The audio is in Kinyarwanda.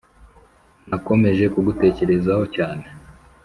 nakomeje kugutekereza.ho cyane